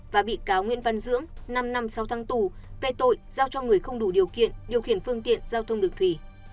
và bị cáo nguyễn văn dưỡng năm năm sáu tháng tù về tội giao cho người không đủ điều kiện điều khiển phương tiện giao thông đường thủy